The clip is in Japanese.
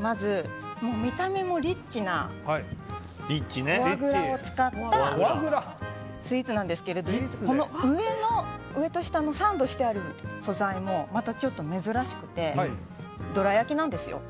まず見た目もリッチなフォアグラを使ったスイーツなんですけどこの上と下のサンドしてある素材もまたちょっと珍しくてどら焼きなんですよ。